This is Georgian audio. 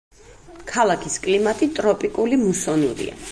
ქალაქის კლიმატი ტროპიკული მუსონურია.